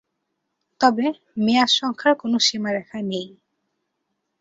তবে, মেয়াদ সংখ্যার কোন সীমারেখা নেই।